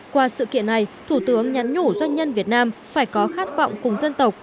qua sự kiện này thủ tướng nhắn nhủ doanh nhân việt nam phải có khát vọng cùng dân tộc